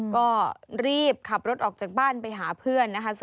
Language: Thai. ก็รีบขับรถออกจากบ้านไปหาเพื่อนนะคะ